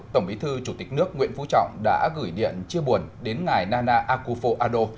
tổng bí thư chủ tịch nước nguyễn phú trọng đã gửi điện chia buồn đến ngài nana akufo ado